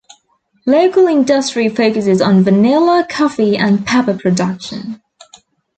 Local industry focuses on vanilla, coffee, and pepper production.